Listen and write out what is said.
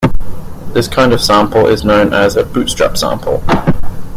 This kind of sample is known as a bootstrap sample.